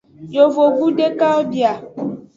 Yovogbu dekawo bia.